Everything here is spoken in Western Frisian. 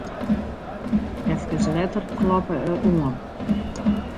Efkes letter kloppe er oan.